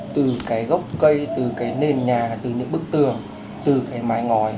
từ cái gốc cây từ cái nền nhà từ những bức tường từ cái mái ngòi